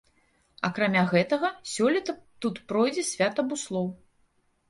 Акрамя гэтага, сёлета тут пройдзе свята буслоў.